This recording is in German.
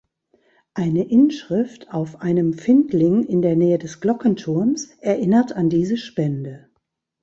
Eine Inschrift auf einem Findling in der Nähe des Glockenturms erinnert an diese Spende.